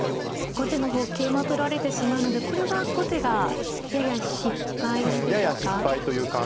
後手の方桂馬取られてしまうのでこれは後手がやや失敗でしょうか。